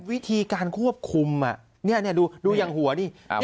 วิธีการควบคุมดูอย่างหัวนี่